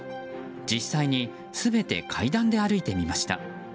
実際に全て階段で歩いてみました。